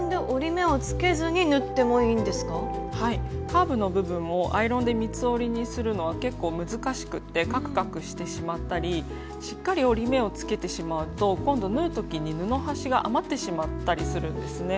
カーブの部分をアイロンで三つ折りにするのは結構難しくてカクカクしてしまったりしっかり折り目をつけてしまうと今度縫う時に布端が余ってしまったりするんですね。